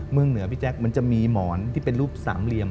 เมืองเหนือพี่แจ๊คมันจะมีหมอนที่เป็นรูปสามเหลี่ยม